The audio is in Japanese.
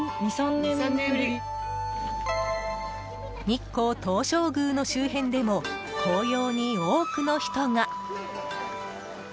日光東照宮の周辺でも紅葉に多くの人が。